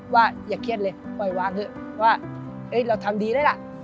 อย่าเครียดเลยปล่อยวางเถอะว่าเราทำดีแล้วล่ะ